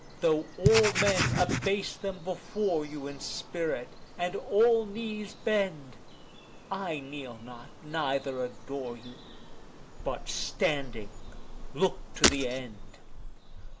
Though all men abase them before you in spirit, and all knees bend, I kneel not neither adore you, but standing, look to the end.